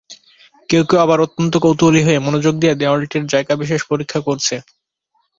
কেউ কেউ আবার অত্যন্ত কৌতুহলী হয়ে মনোযোগ দিয়ে দেয়ালটির জায়গাবিশেষ পরীক্ষা করছে।